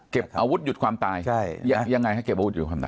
อาวุธหยุดความตายใช่ยังไงให้เก็บอาวุธหยุดความดัน